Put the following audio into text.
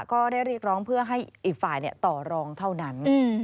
ก็ได้เรียกร้องเพื่อให้อีกฝ่ายต่อรองเท่านั้น